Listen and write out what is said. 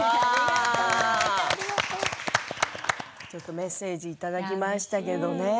メッセージいただきましたけどね。